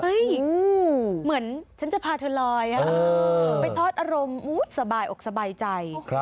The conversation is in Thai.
เหมือนฉันจะพาเธอลอยไปทอดอารมณ์สบายอกสบายใจ